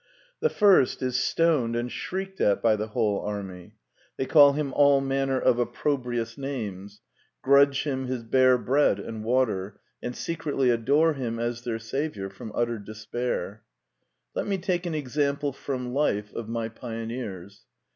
The first is stoned and shrieked at by the whole army. They call him all manner of opprobrious names ; grudge him his bare bread and water ; and secretly adore him as their savior from utter despair. Let me take an example from life of my pioneers.